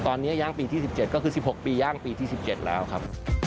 ตอนนี้ย่างปีที่๑๗ก็คือ๑๖ปีย่างปีที่๑๗แล้วครับ